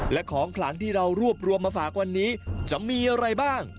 และของขลังที่เรารวบรวมมาฝากวันนี้จะมีอะไรบ้าง